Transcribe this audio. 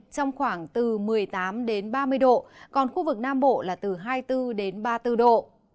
trong khoảng từ một mươi tám ba mươi độ còn khu vực nam bộ là từ hai mươi bốn đến ba mươi bốn độ